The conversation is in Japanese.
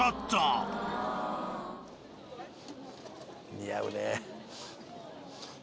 似合うね。